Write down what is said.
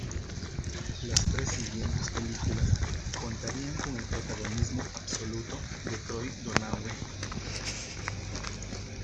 Las tres siguientes películas contarían con el protagonismo absoluto de Troy Donahue.